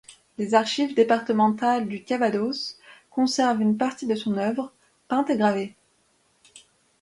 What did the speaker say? Les archives départementales du Calvados conservent une partie de son œuvre peinte et gravée.